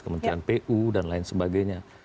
kementerian pu dan lain sebagainya